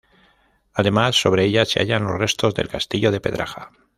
Además, sobre ella se hallan los restos del castillo de Pedraja.